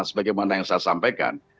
sebagaimana yang saya sampaikan